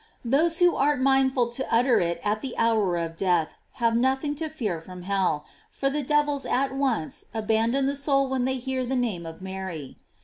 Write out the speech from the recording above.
Those who art mindful to utter it at the houg of death, have nothing to fear from hell, fot the devils at once abandon the soul when they hear the Dame of Mary.